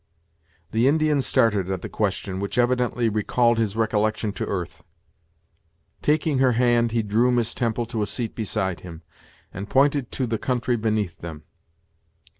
The Indian started at the question, which evidently recalled his recollection to earth. Taking her hand, he drew Miss Temple to a seat beside him, and pointed to the country beneath them.